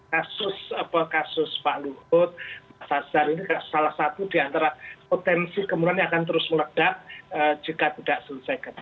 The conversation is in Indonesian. kasus pak luhut mas asar ini salah satu di antara potensi kemudian yang akan terus meledak jika tidak selesaikan